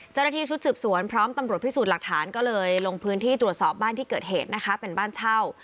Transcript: เจ้าหน้าที่ชุดสืบสวนพร้อมตำรวจพิสูจน์หลักฐานก็เลยลงพื้นที่ตรวจสอบบ้านที่เกิดเหตุนะคะเป็นบ้านเช่า